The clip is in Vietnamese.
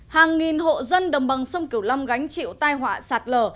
hàng nghìn hộ dân đồng bằng sông cửu lâm gánh chịu tai họa sạt lở